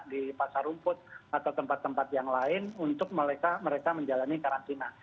di pasar rumput atau tempat tempat yang lain untuk mereka menjalani karantina